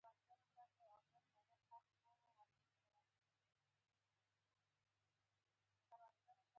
د خوراک کیفیت د روغتیا راز دی.